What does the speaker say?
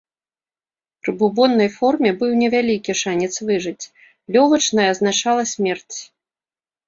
Пры бубоннай форме быў невялікі шанец выжыць, лёгачная азначала смерць.